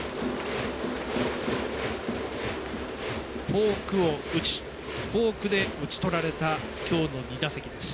フォークを打ちフォークで打ち取られた今日の２打席です。